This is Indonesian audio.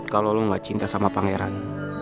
kalau lo gak cinta sama pangeran